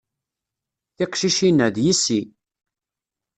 Tiqcicin-a, d yessi.